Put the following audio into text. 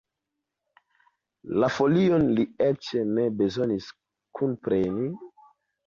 La folion li eĉ ne bezonis kunpreni!